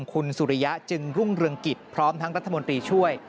คุณสุริยะจึงรุ่งเรืองกิจพร้อมทั้งรัฐมนตรีช่วย